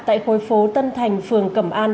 tại khối phố tân thành phường cẩm an